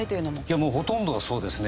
いやもうほとんどがそうですね